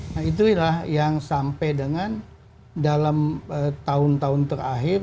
nah itulah yang sampai dengan dalam tahun tahun terakhir